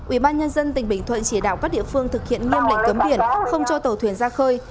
ubnd tỉnh bình thuận chỉ đạo các địa phương thực hiện nghiêm lệnh cấm biển không cho tàu thuyền ra khơi